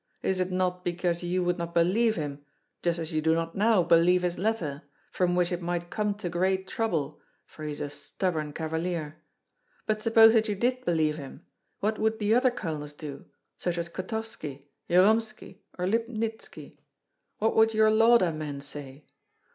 Is it not because you would not believe him, just as you do not now believe his letter, from which it might come to great trouble, for he is a stubborn cavalier. But suppose that you did believe him, what would the other colonels do, such as Kotovski, Jyromski, or Lipnitski? What would your Lauda men say?